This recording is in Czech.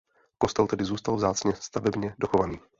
Kostel tedy zůstal vzácně stavebně dochovaný.